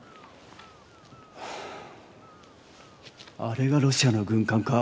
あれがロシアの軍艦か。